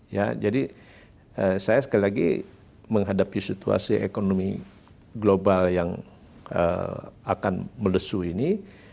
ya jadi saya sekali lagi menghadapi situasi ekonomi global yang akan melesuh ini